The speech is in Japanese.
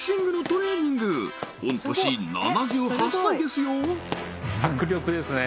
御年７８歳ですよ